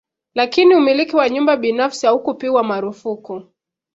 Lakini umiliki wa nyumba binafsi haukupigwa marufuku